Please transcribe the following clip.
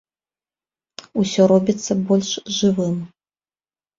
Усё робіцца больш жывым.